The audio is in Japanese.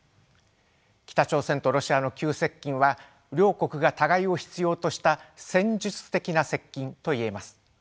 北朝鮮とロシアの急接近は両国が互いを必要とした戦術的な接近といえます。